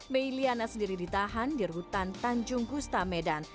mei liana sendiri ditahan di rutan tanjung kusta medan